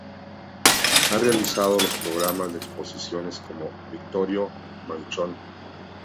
Ha realizado los programas de exposiciones como, Victorio Manchón.